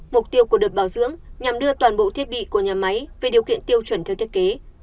mục tiêu của đợt bảo dưỡng nhằm đưa toàn bộ thiết bị của nhà máy về điều kiện tiêu chuẩn theo thiết kế